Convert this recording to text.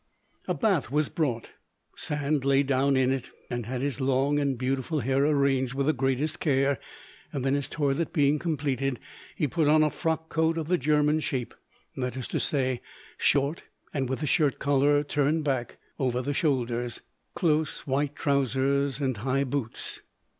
A bath was brought. Sand lay down in it, and had his long and beautiful hair arranged with the greatest care; then his toilet being completed, he put on a frock coat of the German shape—that is to say, short and with the shirt collar turned back aver the shoulders, close white trousers, and high boots.